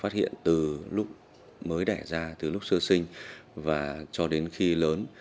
từ lúc sơ sinh và cho đến khi lớn